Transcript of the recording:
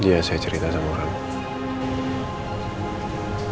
ya saya cerita sama kamu